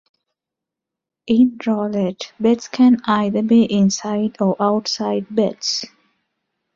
In roulette, bets can either be inside or outside bets.